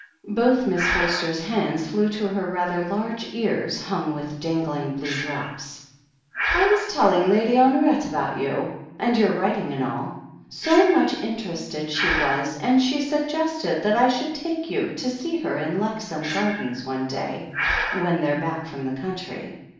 Both Miss Forster's hands flew to her rather large ears, htmg with dangling blue drops. "I was telling Lady Honoret about you, and your writing and all. So much interested she was, and she suggested that I should take you to see her in Lexham Gardens one day when they're back from the country.